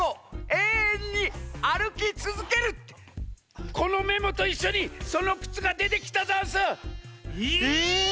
えいえんにあるきつづける」ってこのメモといっしょにそのくつがでてきたざんす！え！？